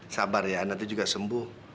sabar ya nanti juga sembuh